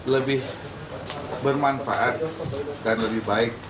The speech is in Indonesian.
lebih bermanfaat dan lebih baik